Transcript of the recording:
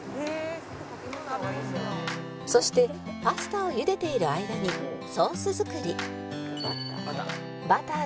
そしてパスタをゆでている間にソース作り